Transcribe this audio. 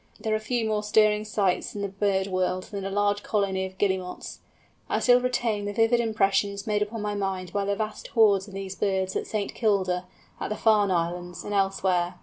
There are few more stirring sights in the bird world than a large colony of Guillemots. I still retain the vivid impressions made upon my mind by the vast hordes of these birds at St. Kilda, at the Farne Islands, and elsewhere.